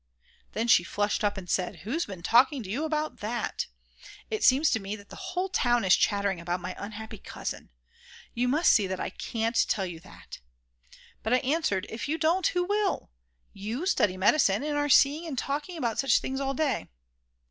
Then she flushed up and said: "Who's been talking to you about that? It seems to me that the whole town is chattering about my unhappy cousin. You must see that I can't tell you that." But I answered: "If you don't, who will? You study medicine, and are seeing and talking about such things all day."